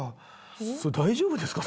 それ大丈夫ですか？